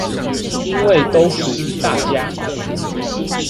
因為都屬於大家